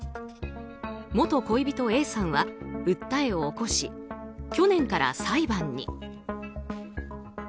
元恋人Ａさんは訴えを起こし去年から裁判に。